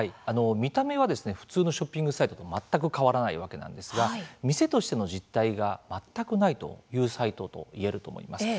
見た目は普通のショッピングサイトと全く変わらないわけなんですが店としての実体が全くないというサイトといえると思います。